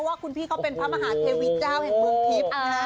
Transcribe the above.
ว่าคุณพี่เขาเป็นพระมหาเทวีเจ้าแห่งเมืองทิพย์